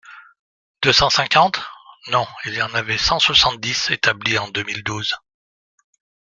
deux cent cinquante ! Non, il y en avait cent soixante-dix établies en deux mille douze.